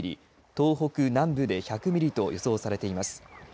東北南部で１００ミリと予想されています。